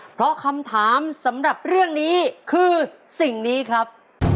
เพราะคำถามสำหรับเรื่องนี้คือสิ่งนี้ครับ